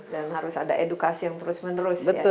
dan harus ada edukasi yang terus menerus